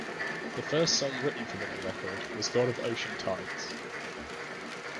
The first song written for the new record was God of Ocean Tides.